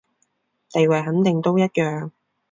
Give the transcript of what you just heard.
地位肯定都一樣